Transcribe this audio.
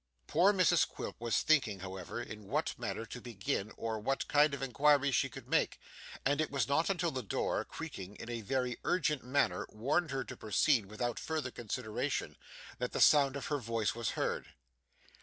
Poor Mrs Quilp was thinking, however, in what manner to begin or what kind of inquiries she could make; and it was not until the door, creaking in a very urgent manner, warned her to proceed without further consideration, that the sound of her voice was heard.